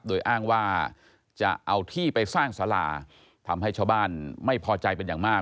โดยอ้างว่าจะเอาที่ไปสร้างสาราทำให้ชาวบ้านไม่พอใจเป็นอย่างมาก